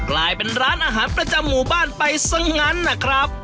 กลายเป็นร้านอาหารประจำหมู่บ้านไปซะงั้นนะครับ